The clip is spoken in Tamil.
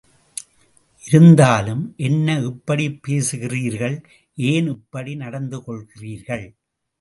இருந்தாலும், என்ன இப்படிப் பேசுகிறீர்கள் ஏன் இப்படி நடந்து கொள்கிறீர்கள்?